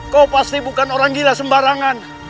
kau pasti bukan orang gila sembarangan